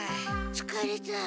つかれた。